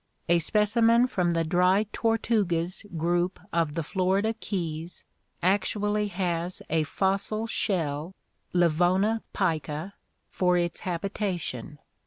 A specimen from the Dry Tortugas group of the Florida Keys actually has a fossil shell (Livona pica) for its habita tion.